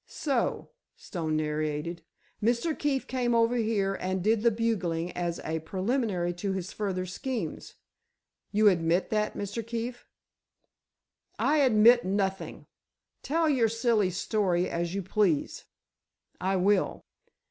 "So," Stone narrated, "Mr. Keefe came over here and did the bugling as a preliminary to his further schemes. You admit that, Mr. Keefe?" "I admit nothing. Tell your silly story as you please." "I will.